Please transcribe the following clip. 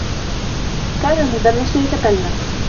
كان المدرّس يتكلّم.